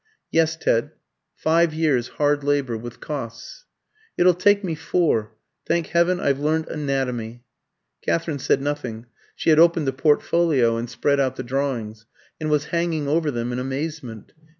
"Yes, Ted, five years' hard labour, with costs." "It'll take me four. Thank heaven, I've learnt anatomy!" Katherine said nothing: she had opened the portfolio and spread out the drawings, and was hanging over them in amazement.